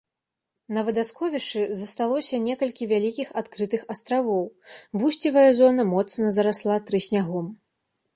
На вадасховішчы засталося некалькі вялікіх адкрытых астравоў, вусцевая зона моцна зарасла трыснягом.